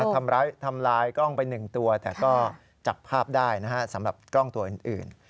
ทำลายกล้องไป๑ตัวแต่ก็จับภาพได้นะฮะสำหรับกล้องตัวอื่น